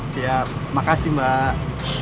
siap makasih mbak